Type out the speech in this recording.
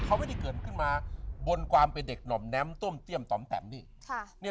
เขาไม่ได้เกิดขึ้นมาบนความเป็นเด็กหน่อมแน้มต้มเตี้ยมต่อมแตมนี่